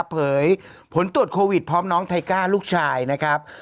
เผยผลตรวจโควิดพร้อมน้องไทก้าลูกชายนะครับ